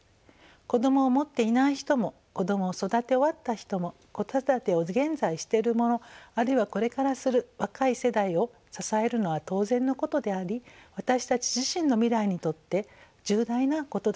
子どもを持っていない人も子どもを育て終わった人も子育てを現在している者あるいはこれからする若い世代を支えるのは当然のことであり私たち自身の未来にとって重大なことだと思います。